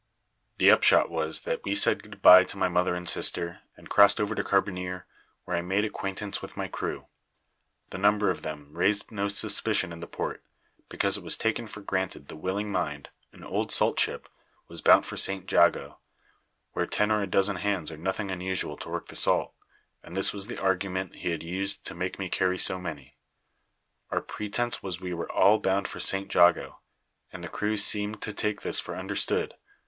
"The upshot was that we said goodbye to my mother and sister, and crossed over to Carbonear, where I made acquaintance with my crew. The number of them raised no suspicion in the port, because it was taken for granted the Willing Mind, an old salt ship, was bound for St. Jago, where ten or a dozen hands are nothing unusual to work the salt; and this was the argument he had used to make me carry so many. Our pretence was we were all bound for St. Jago, and the crew seemed to take this for understood.